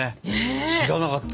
知らなかった。